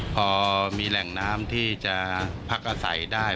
พอมีแหล่งน้ำที่จะพักอาศัยได้